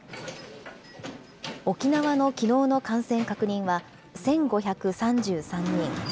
沖縄のきのうの感染確認は１５３３人。